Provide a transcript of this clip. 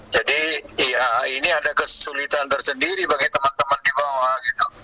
jadi ya ini ada kesulitan tersendiri bagi teman teman di bawah